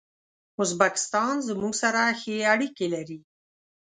ازبکستان زموږ سره ښې اړیکي لري.